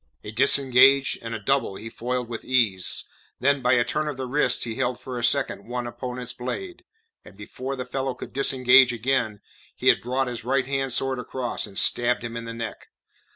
A disengage and a double he foiled with ease, then by a turn of the wrist he held for a second one opponent's blade; and before the fellow could disengage again, he had brought his right hand sword across, and stabbed him in the neck.